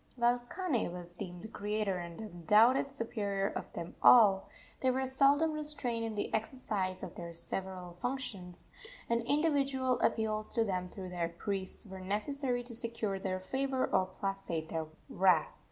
While Kane was deemed the creator and undoubted superior of them all, they were seldom restrained in the exercise of their several functions, and individual appeals to them through their priests were necessary to secure their favor or placate their wrath.